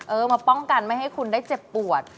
มาป้องกันไม่ให้คุณได้เจ็บปวด